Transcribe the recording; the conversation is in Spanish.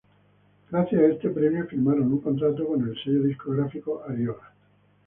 Gracias a este premio firmaron un contrato con el sello discográfico Ariola.